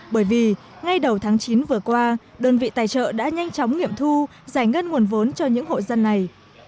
bởi vì ngay đầu tháng chín vừa qua đơn vị tài trợ đã nhanh chóng nghiệm thu giải ngân nguồn vốn cho những hộ dân này